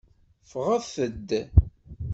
Ffɣet-d.